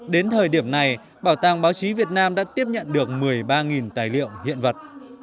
đến thời điểm này bảo tàng báo chí việt nam đã tiếp nhận được một mươi ba tài liệu hiện vật